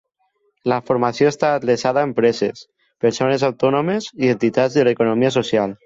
La formació està adreçada a empreses, persones autònomes i entitats de l'economia social.